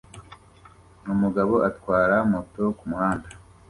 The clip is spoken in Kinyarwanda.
Umugabo atwara moto kumuhanda